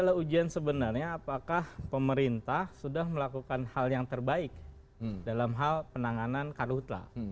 hujan sebenarnya apakah pemerintah sudah melakukan hal yang terbaik dalam hal penanganan karutla